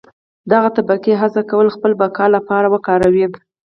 دغه طبقې هڅه کوله خپلې بقا لپاره وکاروي.